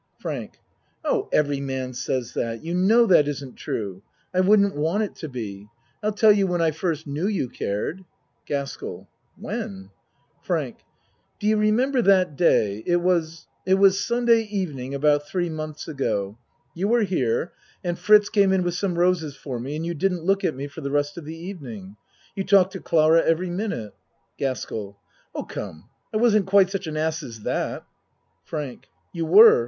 FRANK Oh, every man says that. You know that isn't true. I wouldn't want it to be. I'll tell you when I first knew you cared. GASKELL When ? FRANK Do you remember that day it was it was Sunday evening about three months ago. You were here and Fritz came in with some roses for me and you didn't look at me for the rest of the evening. You talked to Clara every minute. GASKELL Oh, come, I wasn't quite such an ass as that. FRANK You were.